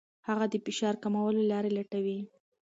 هغه د فشار کمولو لارې لټوي.